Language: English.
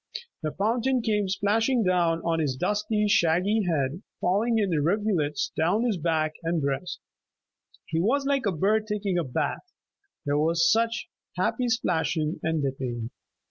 The fountain came splashing down on his dusty, shaggy head, falling in rivulets down his back and breast. He was like a bird taking a bath; there was such happy splashing and dipping.